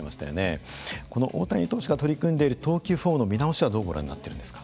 この大谷投手が取り組んでいる投球フォームの見直しはどうご覧になってるんですか？